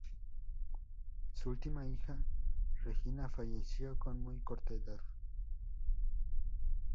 Su última hija, Regina, falleció con muy corta edad.